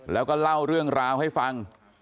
แล้วก็เล่าเรื่องราวให้ฟัง